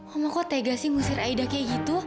umar kok tegas sih mengusir aida kayak gitu